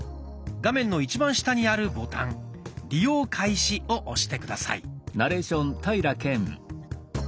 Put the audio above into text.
画面の一番下にあるボタン「利用開始」を押して下さい。